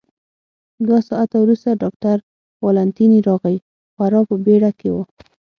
دوه ساعته وروسته ډاکټر والنتیني راغی، خورا په بېړه کې و.